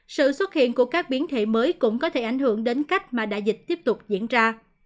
sự xuất hiện của các biến thể mới cũng có thể ảnh hưởng đến cách mà đại dịch tiếp tục diễn ra